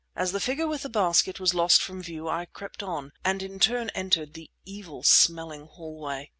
As the figure with the basket was lost from view I crept on, and in turn entered the evil smelling hallway.